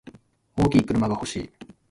大きい車が欲しい。